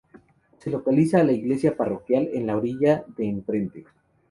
Se localiza frente a la iglesia parroquial, en la orilla de enfrente.